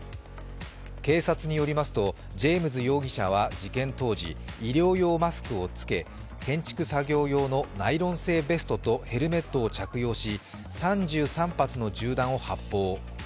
警察によりますとジェームズ容疑者は事件当時、医療用マスクを着け、建築作業用のナイロン製ベストとヘルメットを着用し３３発の銃弾を発砲。